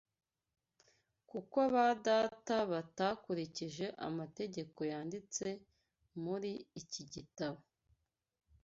kuko ba data batakurikije amategeko yanditse muri iki gitabo